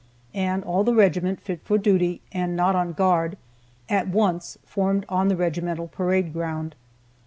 and all the regiment fit for duty and not on guard at once formed on the regimental parade ground.